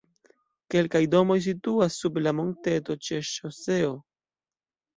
Kelkaj domoj situas sub la monteto ĉe ŝoseo nr.